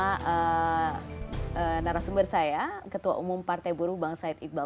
bersama narasumber saya ketua umum partai buruh bang said iqbal